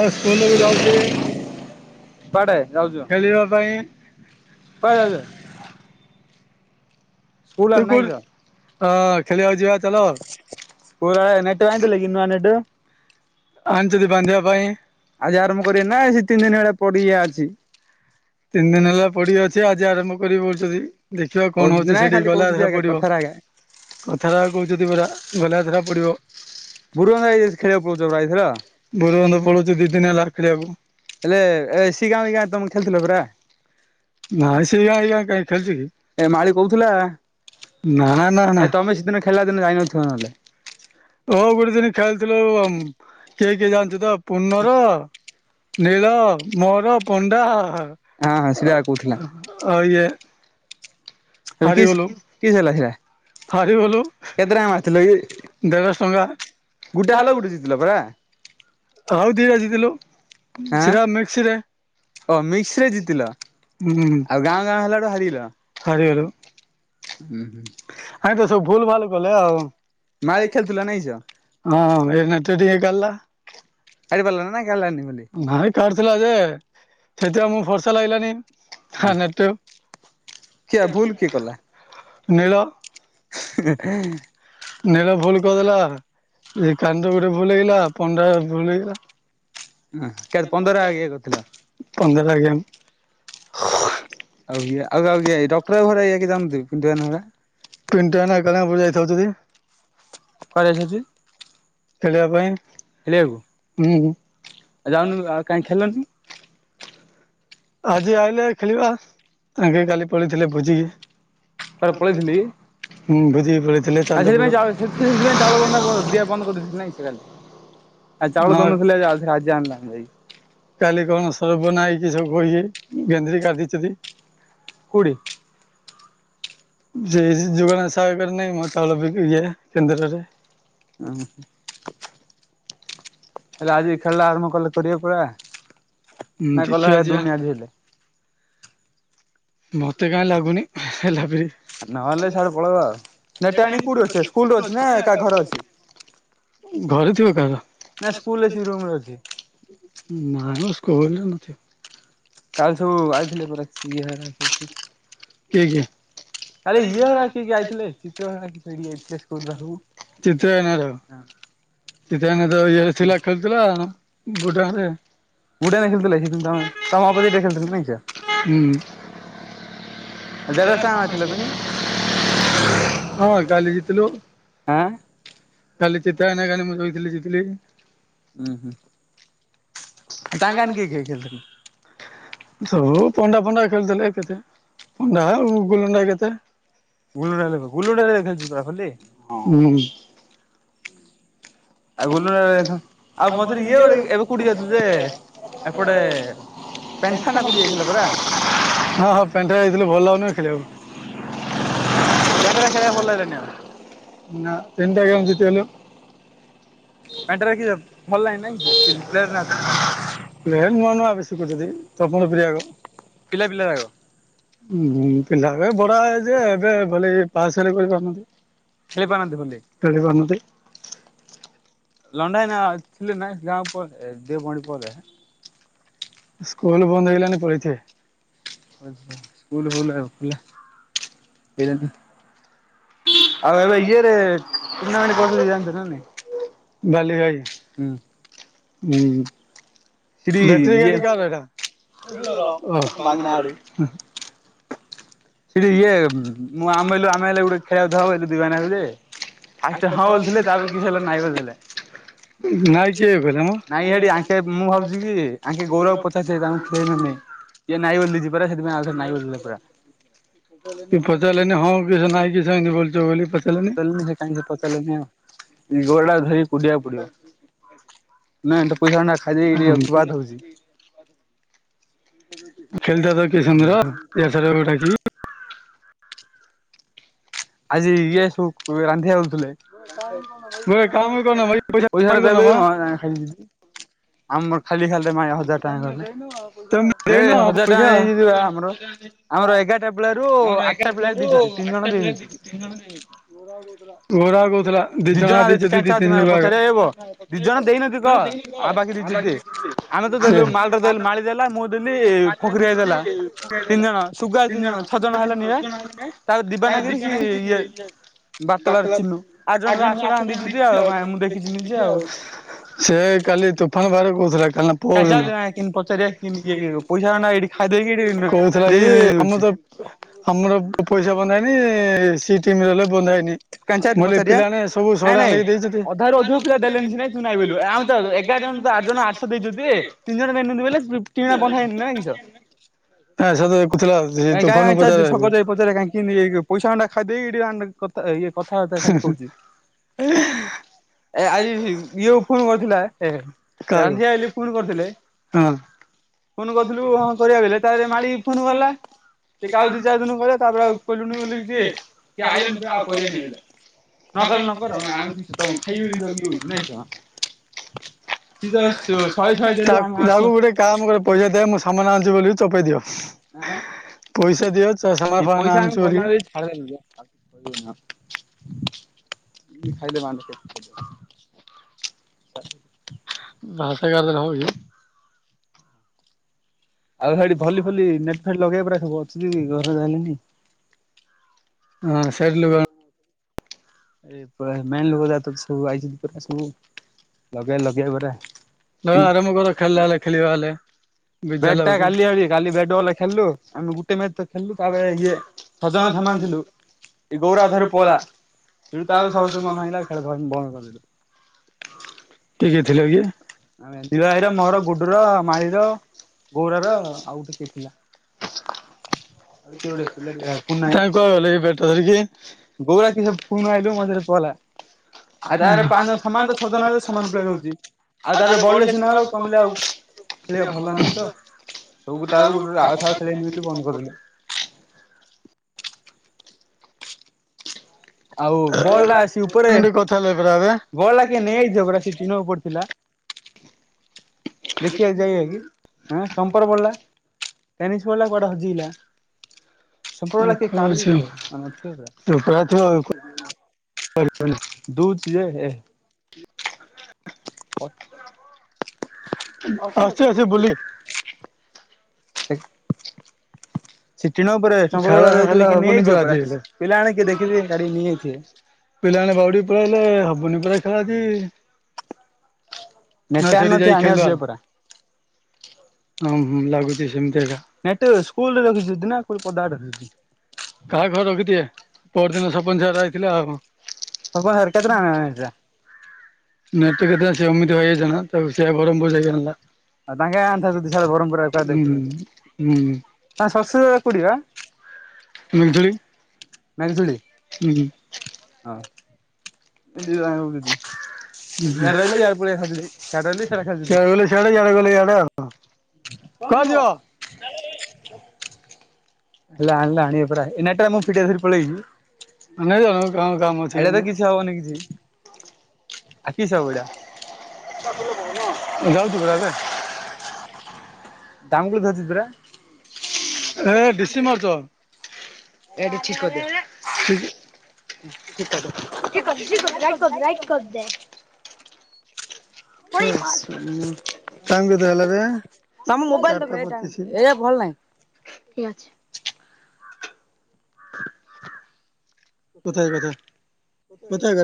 ଆ school ଯାଉଛି। କୁଆଡେ ଯାଉଛୁ ଖେଳିବା ପାଇଁ କୁଆ ଯାଉଛୁ। ସ୍କୁଲ ଆ ନାହିଁ ଯ ଅ ଖେଲି ପୁରା ନେଟ ଆଣିଥିଲେ କି ନୁଆ ନେଟ। ଆଣିଛନ୍ତି ବାନ୍ଧିବା ପାଇଁ ଆଜି ଆରମ୍ଭ କରିବା ନା ସେ ତିନି ଦିନ ହେଲା ପଡିଆ ଅଛି। ତିନି ଦିନ ହେଲା ପଡିିଆ ଅଛି ଆଜି ଆରମ୍ଭ କରିବ ଯଦି। ଦେଖିବା କଣ କହୁଛନ୍ତି ହଉଛି ନା ଖାଲି ସେଠିକି ଗଲା କହୁଛନ୍ତି ଦେଖା ଆଜ୍ଞା ପଡିବ। କଥାରେ ଆଜ୍ଞା କଥା ଟା କହୁଛନ୍ତି ପରା ଗଲା ଧରା ପଡିବ। ବୁରୁବନ୍ଧ ଭାଇ ଖେଳିବ କହୁଚ ଏଥର। ବୁରୁବନ୍ଧ ପଳୋଉଚି ଦି ଦିନ ହେଲା ଖେଳିବାକୁ। ହେଲେ ଏ ସି ଗାଁ ଗାଁ ତମକୁ ଖେଳୁଥିଲ ପରା? ନାଁ ସେଇଏ ଏଇଆ କାଇଁ ଖେଳୁଛି କି। ଏ ମାଳି କହୁଥିଲା ନା ନା ନା ଏ ତମେ ସେଦିନ ଖେଳିଲା ଦିନ ଯାଇନଥିବ ନହେଲେ। ହଉ ଗୋଟେ ଦିନ ଖେଳିଥିଲୁ ଉମ କିଏ କିଏ ଜାଣିଛ ତ ପୂନର, ନୀଳ, ମୋର, ପଣ୍ଡା ହଁ ହଁ ହା ସେଇଟା କହୁଥିଲା ଆଉ ଇଏ। କିସ୍ ହାରିଗଲୁ କିସ୍ ହେଲା ଖେଳ। ହାରିଗଲୁ କେତେଟା ମାରିଥିଲ କି। ଦେଢ଼ଶହ ଟଙ୍କା ଗୁଟେ ହାରିଲ ଗୁଟେ ଜିତିଲ ପରା। ହଉ ଦିଟା ଜିତିଲୁ ଆଁ ସେଟା ମିକ୍ସରେ। ଓ ମିକ୍ସ ରେ ଜିତିଲ ହୁଁ ଆଉ ଗାଁ ଗାଁ ହେଲାଠୁ ହାରିଲ ହାରିଗଲୁ। ହୁଁ ହୁଁ। ଆଜିତ ସବୁ ଭୁଲ ଭାଲ କଲେ ଆଉ। ମାଳି ଖେଳୁଥିଲା ନାଇଁ ଝିଅ ହଁ ଏଇନେ ତ ଟିକେ ଗାଲା। କାଢ଼ି ପାରିଲା ନା ନାଇଁ କାଢିଲାନି ବୋଲି। ଭାଇ କାଢୀଥିଲା ଯେ ସେଥିପାଇଁ ମୁଁ ଭର୍ଷା ଲାଗିଲାନି ତାନେ କିଏ ଭୁଲ କିଏ କଲା। ନୀଳ। ହେଁ। ନୀଳ ଭୁଲ କରିଦେଲା ଏ କାଣ୍ଡ ଗୋଟେ ଭୁଲ ହେଇଗଲା ପଣ୍ଡା ଭୁଲ ହେଇଗଲା। କେ ଆ ପନ୍ଦର ଇଏ କରିଥିଲ ପନ୍ଦର [inaudible] ଆଉ ଇଏ ଆଉ ଆଉ ଇଏ ଏ ଡକ୍ଟର୍ ବାବୁ ଘରେ [inaudible] ପିଣ୍ଟୁଆନା କାଳେ ଉପରକୁ ଯାଇଥିବ ଯଦି। କୁଆଡେ ଯାଉ ଥାଉଚି? ଖେଳିବା ପାଇଁ। ଖେଳିଆକୁ। ଉଁ, ହୁଁ। ଆ, ଯାଉନୁ, ଆଉ କାଇଁ ଖେଳିଲନି? ଆଜି ଆଇଲେ ଖେଳିବା। ତାଙ୍କେ କାଲି ପଳେଇଥିଲେ ଭୋଜି। କୁଆଡେ ହୁଁ, ଭୋଜିକି ପଳେଇ ଆ, ସେଥିପାଇଁ ଚାଉଳ ସେ ସେଥିପାଇଁ ଚାଉଳ ବନ୍ଦା ବନ୍ଦ ଦିଆ ବନ୍ଦ କରିଦେଇଚି ନାଇଁ ସେ କାଲି? ଆ, ଚାଉଳ ହଁ ଦଉନଥିଲେ ହେଲେ ଆଜି ଆଜି ଆଣିଲା ଯାଇ। କାଲି କଣ ସର୍ବ ନା ହେଇକି ସବୁ କହିକି ଗେନ୍ଦଢି କାଡ ଦେଇଚନ୍ତି। କୋଉଠି? ଯେ ସେ ଯୋଗାଣ ସାୟ କରିନାଇଁ ମୋ ଚାଉଳ ବିକି ଇଏ କେନ୍ଦ୍ରରେ। ଅଁ, ହଁ। ହେଲେ ଆଜି ଖେଳଟା ଆରମ୍ଭ କଲେ କରିବେ ପରା। ହୁଁ ନାଇଁ କଲା ଦେଖିବା ଯିବା ଦୁନି ଆଜି ହେଲେ। ମୋତେ କାଇଁ ଲାଗୁନି ହେଲାପରି। ଆ, ନହେଲେ ସିଆଡେ ପଳେଇବା। ନେଟ୍ ଟା ଆଣି କୋଉଠି ଅଛି, ସ୍କୁଲ୍ ରେ ଅଛି ନା କାହା ଘରେ ଅଛି? ଘରେ ଥିବ କାହାର। ନା ସ୍କୁଲ ଏସି ରୁମ ରେ ଅଛି। ହୁଁ, ନାଇଁ ମୋ ସ୍କୁଲ୍ ରେ ନଥିବ। କାଲ ସବୁ ଆାଇଥିଲେ ପରା ସିଏ ହେରା [inaudible] କିଏ କିଏ? ଆରେ ଇଏ ଆ, କିଏ କିଏ ଆଇଥିଲେ ଚିତ୍ର [unintelligible] କିସ ଇଏ ସେ ସ୍କୁଲ୍ ପାଖୁକୁ। ହଁ। ଚିତ ହେଙ୍କା ତ ଇଏ ଥିଲା ଖେଳୁଥିଲା ବୁଡା ରେ। ବୁଡାନା ଖେଳିଥିଲେ ହେଇଥାନ୍ତା ମାନେ। ତୋମ ଅପଜିଟ୍ ରେ ଖେଳିଥିଲେ ନାଇଁ [inaudible] ଉଁ। ଜେରକ୍ସ ଟା ମାରିଥିଲେ ପେଣି ହଁ କାଲି ଜିତିଲୁ। ଆଁ କାଲି ଚିତନନା କାଲି ମୁଁ ଶୋଇଥିଲି ଜିତିଲି। ଉଁ, ହୁଁ। ତାଙ୍କ କାଇଁ ଆନ କିଏ କାନଚୁ କିଏ ତୁ? ଖେଳୁଥିଲେ? ସବୁ ପଣ୍ଡା ଫଣ୍ଡା ଖେଳିଥିଲେ କେତେ। ପଣ୍ଡା ଆଉ ଗୁଲଣ୍ଡା [inaudible] କେତେ? ଗୁଲୁଣ୍ଡା ହେଲେ ଭ, ଗୁଲୁଣ୍ଡା ର ଏଇଥର ଯିବା ହୋଲି। ହୁଁ। ଆଉ ଗୁଲୁଣ୍ଡା ରେ [inaudible] ଆଉ ମଝିରେ ଇଏ ହଁ, ଗୋଟେ ଏବେ କୋଉଠି ଯାଇଥିଲୁ ଯେ ହଁ ପେଣ୍ଡରା ଏପଟେ ଯାଇଥିଲୁ ପେଣ୍ଠା ନା କୋଉଠି ଭଲ ଯାଇଥିଲେ ପରା ହଉନି ରେ ଖେଳିଆକୁ। ପେଣ୍ଠେରା ଖେଳିଆ ଭଲ ଲାଗିଲାନି ଆଉ। ନା ତିନଟା ଗେମ୍ ଜିତିଗଲୁ। ପାଣ୍ଟରା କିଏ ଯାଉଚି ଭଲ ଲାଗି ନାଇଁ [inaudible] ପ୍ଲେୟାର୍ ନାହାଁନ୍ତି। ପ୍ଲେୟାର୍ ନୂଆ ନୂଆ ଏବେ ଶିଖୁଛନ୍ତି। ତପଣ ପ୍ରିୟାର ପିଲା ପିଲା ଲାଗିବ। ଉଁ, ପିଲା ହେକା ଏ ବଡ ଆ, ହେଇଥିବେ ଏବେ ଭଲ କି ପାସ୍ ହେଲେ କରିପାରୁ ନାହାଁନ୍ତି। ଖେଳିପାରନ୍ତି ହୋଲି ଖେଳି ପାରୁ ନାହାନ୍ତି। ଲଣ୍ଡା ଭାଇନା ଥିଲେ ନା ଗାଁ ପରେ ଏ ଦିପହଣ୍ଡି ପରେ? ସ୍କୁଲ୍ ବନ୍ଦ ହେଇଗଲାଣି ପଳେଇଥିବେ। ଆଚ୍ଛା, ସ୍କୁଲ୍ ଫୁଲ୍ ଏ ଖୋଲା ହେଲାନି। ଆଉ ଏବେ ଇଏରେ ଟୁର୍ଣ୍ଣାମେଣ୍ଟ [unintelligible] ହଉଚି ଜାଣିଚ ନା ନାଇଁ? ହୁଁ। ଉଁ, ସେଠି ବେଟ୍ରି ଇଏ ଗାଡି କାହାର ଏଇଟା? ଓଃ, ହୁଁ। ସେଠି ଇଏ ମୁଁ ଆମେ ହେଲୁ ଆମେ ହେଲେ ଗୋଟେ ଖେଳିବାକୁ [unintelligible] ଫାଷ୍ଟ୍ ହଁ ବୋଲିଥିଲେ ତାପରେ କି ହେଲା ନାଇଁ ବୋଲିଦେଲେ। ନାଇଁ କିଏ କହିଲା ମ ନାଇଁ ହେଇଡି ଆଙ୍କେ ମୁଁ ଭାବୁଚି କି ଆଙ୍କେ ଗୌରବ ପତ୍ ସା ସେ ତାଙ୍କୁ ଖେଇନ ନେଇଁ ଇଏ ନାଇ ବୋଲି ଯିବାଟା ସେଥିପାଇଁ ଆଉଥରେ ନାଇ ବୋଲିଲା ପୁରା। କି ପଚାରଲନି ହଁ କି ସେ ନାଇଁ କି ସେମିତି ବୋଲଛ ବୋଲି ପଚାରଲନି। ପଚାରିଲେନି ସେ କାହିଁକି ସେ ପଚାରିଲେ ହଁ ଏଇ ଗୋଡ ଟା ଧରି କୁଡିବାକୁ ପଡିବ। ନାଇଁ ଏ ତ ପଇସାମାନା ଖାଇଦେଇ ଏଇଟି ଅ ଚୁଆଦ ହଉଚି। ଖେଳିଥାନ୍ତା କି ସମୀର ଏଆଛଡା ଗୋଟା କି? ଆଜି ଇଏ ସବୁ ରାନ୍ଧି ଆଉଥିଲେ। ଗୋଟେ କାମ କରୁନ ଭାଇ ପଇସା ଟା ମାଗିଦଉନ ଦେବେ ମ କାଣ ଖାଇନି [unintelligible] ଆମର୍ ଖାଲି ଖାଲି ରେ ମାଇଁଆ ହଜାର ଟଙ୍କା ଗଲେ ତମେ [unintelligible] ଦେଇନ ଏରେ ହଜାର ଟଙ୍କା ପଇସା ଆଣିକି ଦେ ବା ଆମର ଆମର ଏଗାରଟା ପିଲାରୁ ଆଠ୍ ଟା ପିଲା ଦେଇଚନ୍ତି ତିନିଜଣ ଦେଇନାହାନ୍ତି। ତିନଜଣ ଦେଇଚନ୍ତି। ଦି ଦି ଜଣ ଆକ ଦେଇଚି ଦେଇଛନ୍ତି କାଇଁ ଦି ଚାର ତିନି ଦିନ ମାହିଆ ଲୁଗାକ। ପଚାରିଆ ଏ ପୁଅ ଦି ଜଣ ଦେଇନହାନ୍ତି କହ ଆଉ ବାକି ଦେଇଚନ୍ତି ଆମେ ତ ଦେଲୁ ମାଲଟା ଦେଲ୍ ମାଳି ଦେଲା ମୁଁ ଥିଲି ଫକିରା ଭାଈ ଦେଲା ତିନି ଜଣ ସୁୁଗା ତିନି ଜଣ ଛଅ ଜଣ ହେଲେ ନିରା ତାର ଦିବାନାଗିରି। କିଆଁ ନାହିଁ କି କି [unintelligible] ବା ଚିନୁ ଆଉ ଜଣେ ତ ଆଠଜନ୍ ଆଠଶହ ଟଙ୍କା ଆଠଜଣ ଦେଇଛନ୍ତି ଆଉ [unintelligible] ମୁଁ ଦେଖିଛି ନିଜେ ଆଉ ସେ କାଲି ତୁଫାନ ପାଖେରେ କହୁଥିଲା କାଲି ନା ପଅରଦିନ। କିନ୍ ପଚାରିଆ କିନି କିଏ କିଏ ସବୁ ପଇସା ଆନା ଏଇଠି ଖାଇଦେଇକିରି କହୁଥିଲା କି ଆମ ତ ଦେଇଉଛି। ଆମର ପଇସା ବନ୍ଧା ହେଇନି ସେଇ ଟିମରେ ଗଲେ ବନ୍ଧାହେଇନି। କାଇଁଚାଦ୍ ପଚାରିଆ। ନାଇଁ ନାଇଁ ଦେଇଛନ୍ତି। ଅଧାରୁ ଅଧିକ ପିଲା ଦେଲେନି ସିନାଇ ତୁ ନାଇଁ ବୋଇଲୁ ଆଉ ତାହେଲେ ଏକ୍ ଜଣ ଜଣ ତ ଆଠଶହ ଦେଇଛନ୍ତି ଟି ତିନି ଜଣ ମେଇନନ୍ତି ବେଲେ ଟିଣ ବନ୍ଧା ହେଇନି ନାଇ କି ନା ସେ ତ ଦେଖୁଥିଲା ସେ ଏ ଗାଁ ତୋଫାନ ରେ ଚାଲିଚି ପଚାରିବାକୁ ଶଗଡରେ ପଚାରିଆ କାଇଁକି କିମେଇ ପଇସାମାଣ୍ଡା ଖାଇଦେଇକି ଏଇଠି [unintelligible] କଥା ଇଏ କଥା ହଉଥା ଖାଲି କହୁଚି। ଏ ଆଜି ଇଏ ଫୁନୁ କରିଥିଲା ଏ କାହାକୁ ରାନ୍ଧିଆ ହେଲେ ଫୁନ କରିଥିଲେ। ହଁ। ଫୁନୁ କରିଥିଲୁ ହଁ କରିବା ବେଲେ ତାପରେ ମାଳି ଫୁନୁ କଲା। ଟିକେ ଆଉ ଦି ଚାର ଦିନୁ କୁ କରିଆ ତାପରେ ଆ କହିଲୁନୁ ବୋଲିକୁ କିଏ ସେ ଆଇଲାନି ଯେ ଆଉ କରିଆନି ବୋଇଲା। ନକର ନକର ଆମ ଖି ଖାଇବ ତ ନାଇଁ ସିଏ ତ ଶହେ ଶହେ [inaudible] ଦେଲୁ ଆମେ ତାକୁ ଆଠଶହ ଗୋଟେ କାମ କର। ପଇସା ଦେ ମୁଁ ସାମାନ ଆଣିଛି ବୋଲି ଚପେଇ ଦିଅ। ଆଁ ପଇସା ଦିଅ ଚା ସାମାନ୍ ଫାମାନ୍ ଆଣଚି ବୋଲି। ଖାଇଲାନି କିଏ? ଖାଇଲେ ବା [unintelligible] ଭାଷା ଗାଳିଦେଲେ ହବ କି? ଆଉ ସେଠି ଭଲି ଫଲି ନେଟ୍ ଫେଟ ଲଗେଇବା ପରା ସବୁ ଅଛି ଘରେ ଝାନିଲି। ନା ନା ସାରିଲେ ବା। ଏ ପୁରା ମେନ୍ ଲୋକ ଯାକ୍ ତ ସବୁ ଆଇଛନ୍ତି ପୁରରା ସବୁ ଲଗେଇବା ଲଗେଇବା ପରା। ଉ ବ୍ୟାଟ ଟା କାଲି ଆଣଲି। କାଲି ବ୍ୟାଟ ବଲ୍ ଖେଳିଲୁ ଆମେ ଗୁଟେ ମଚ ଖେଳିଲୁ ତାପରେ ଇଏ ଜଣେ ସମାନ ଥିଲୁ ଏ ଗୌରା ଅଧାରୁ ପଳେଲା। ତେଣୁ ତାପରେ ସମସ୍ତିଙ୍କ ମନ ହେଇଲା ଖେଳ ଫେଳ ବନ୍ଦ କରିଦେଲୁ। ଆ ଦିବା ଭାଈର ମୋର ଗୁଡୁର ମାଳିର ଗୌରାର ଆଉ ଗୋଟେ କିଏ ଥିଲା। ହ ଆଉ [inaudible] କିଏ ଗୋଟେ ପିଲାଟେ ପୁନା ଭାଇ କାଇଁ କୁଆଡେ ଗଲେ ଏ ବ୍ୟାଟ ଧରିକି? ଗୌରା କିସ ଫୁଣି ଆଇଲୁ ମଝିରେ ପଳା ଆଉ ତାପରେ ପାଞ୍ଚ ଜଣ ସମାନ ତ ଛଅ ଜଣ ହେଲେ ସମାନ ପ୍ଲେୟର ହୁଁ। ହଉଛି। ଆଉ ତାପରେ ତାହେଲେ ରେ ବଳିଲେ ବଢିଲେ [unintelligible] ତୁ ସିନା ହବ ଚାଲଲୁ କମିଲେ ଗୋଟେ ଆଉ ଖେଳିବା ଭଲ ନୁହେଁ ତ ସବୁ ତାପରେ ଗୋଟେ ଗୋଟେ ଆଉ ଦାମ୍ [unintelligible] ଥରେ କଣ ଖେଳିବେନି ବୋଲି ବନ୍ଦ କରିବୁ? କରିଦେଲୁ। ଆଉ ବଲ ଆସି ଉପରେ ମିନିଟ କଥା ହେଲେ ପରା ଏବେ ବଲ୍ ଟା କିଏ ନେଇକିରି ପା ସେ ଚିହ୍ନ ଉପରେ ଥିଲା। ଆଉ ବଲ ଆସି ଉପରେ ବଲ୍ ଟା କିଏ ନେଇକିଯିବ ପା ସେ ଚିହ୍ନ ଉପରେ ଥିଲା। ହଁ ଷ୍ଟମ୍ପର ବଲ୍ ଟା ଟେନିସି ବଲ୍ ଟା କୁଆଡେ ହଜିଗଲା। [unintelligible] ଦୁ ଯିଏ ଅଛି ଅଛି ବୁଲି ସେ ଟିଣ ଉପରେ ଶଙ୍କର ଖେଳ ବଳ ରହିଥିଲା ହେଲା କିଏ ହବନି ନେଇଯାଇଛ ପରା ଆଜି ପ୍ରାୟ? ହେଲେ ପିଲା ଆଣି କିଏ ଦେଖିଥିବେ କାଡି ନେଇଯାଇଥିବେ। ପିଲାମାନେ ଗଡି ପଳେଇଆଇଲେ ହବୁନି ପର ଖେଳ ଅଛି ନେଟ୍ ନା ଟେ ସେଠି ଆଣିନଥିବେ ଯାଇି ଖେଳି ଆଣିବାକୁ ଦବା, ଯିବେ ପରା। ହୁଁ ହୁଁ ଲାଗୁଛି ସେମିତି ଏକା। ନେଟ ସ୍କୁଲ ରେ ରଖିଛନ୍ତି ନା କୋଉ ଟି ପଦା ଆଡ଼େ ରଖିଚି କାହା ଘର ରଖିଦିଏ ପରଦିନ ସରପଞ୍ଚ ରା ଯାଇଥିଲେ ସପନ ସାର୍ କେତେ ଟଙ୍କା ଆଉ। ନେଲା ନେଟ୍ ଟା ନେଟ୍ ପ୍ରୋବେ ସିଏ ମୁଁ ଯାଇଥିଲୁ ତାକୁ ସେ ବରଂପୁର୍ ଯାଇନହେଲା। ଆଉ ତାଙ୍କେ ଆଣିଥାନ୍ତେ ଯଦି ସାର୍ ବ୍ରହ୍ମପୁରରେ ଦେଖିକି। ହୁଁ ତାଙ୍କ ଶ୍ୱଶୁର କୋଉଠି ବା ହୁଁ। [unintelligible] ହୁଁ। ହଁ। ଦି ଭାଇ ଙ୍କ ବୁଜି। ଇଆଡେ ରହିଲେ ଇଆଡେ ପଳେଇ ଆଉଛନ୍ତି, ସିଆଡେ ରହିଲେ ସିଆଡେ ଖାଉଛନ୍ତି। ଗଲେ ସିଆଡେ କୁଆଡେ ଇଆଡେ ଗଲେ ଇଆଡେ ଆଉ ଯିବ? [inaudible] ହେଲା ଆଣିିବେ ପରା ଏ ନେଟ ଟା ମୁଁ ଫିଟେଇ ଧରି ପଳେଆଇଛି। ନାଇଁ ଯାଉନୁ କାମ କାମ ଅଛି ଏଇଟା ଆମର ତ କିଛି ହବନି କିଛି ଆଉ କି ସ ହବ ଏଇଟା। ଯାଉଛୁ ପରା ଏବେ। ଦାମୁକୋଳି ଧରିଛି ପରା। [unintelligible] ଠିକ୍ କଥା। ଟାଇମ୍ କେତେ ହେଲା ବେ? ରାଷ୍ଟ୍ରପତି ସେ। ପ୍ରୀ ଅଛି।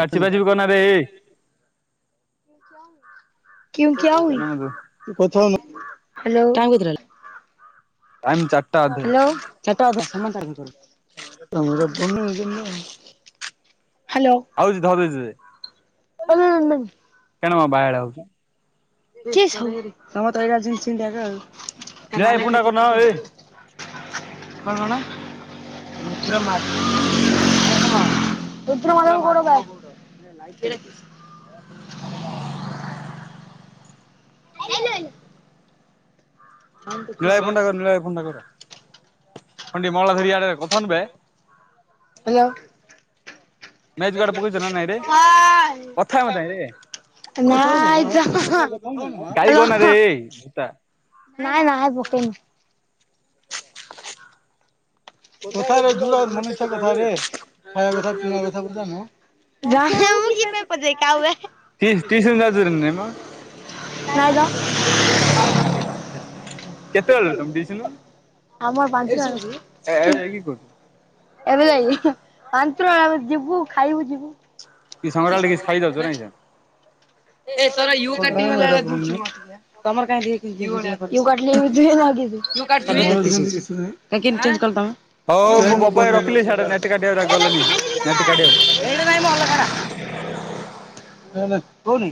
କାଛି ବାଛି କି କରନାରେ। ଟାଇମ୍ କେତିଟା ହେଲା। ଟାଇମ୍ ଚାରିଟା ଅ ହ୍ୟାଲୋ। ଆଉ ଚି ଧରୁଛି ଯେ କେଣ ବାୟଳା ହୋଉଚୁ। [unintelligible] [unintelligible] କଣ। [inaudible] [unintelligible] [unintelligible] [unintelligible] ହ୍ୟାଲୋ। [unintelligible] ଗାଈ ଗନାରେ ଏତା। କଣ। କଥାରେ ଯୋଉଟା ମନେ ଇଚ୍ଛା କଥାରେ ଖାଇବା କଥା ପିଇବା କଥା ବୁଝାନ। [unintelligible] ଜଣେ ମୁଁ କି ପାଇଁ ପଚାରି କାଉ ଟି ଟୁସନ୍ ଯାଉଚ ନା ନାଇଁ ମ? ନାଇଁ ତ [inaudible] କେତେବେଳ ତମେ ଟିସୁନ ଆମର ପାଞ୍ଚ ଏବେ କି କହୁଛୁ? ଏବେ ଯାଇ କି ଜାଣିଛ ନା ଆମେ ଯିବୁ ଖାଇବୁ ଯିବୁ। କି [unintelligible] ଖାଇ ଦଉଛ ନାଇଁ କିଶ। [inaudible] ତମର କାଇ ଦେଖଉ କାଟଲେନ [unintelligible] କେମିତି ଚେଚ କଲ ତମେ [unintelligible] ହଉ ମୁଁ ଏଇଟା ବବାଇ ରଖିଲି ସିଆଡ଼େ ନେଟ୍ କାଟିବାକୁ ଗଲେନି ନେଟ୍ କାଟିବାକୁ ନାଇଁ ମୁଁ ଅଲଗ ନା ନେ ନେ ହେଉନି।